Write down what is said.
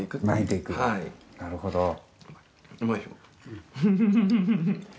なるほど。